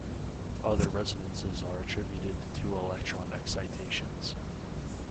Other resonances are attributed to two-electron excitations.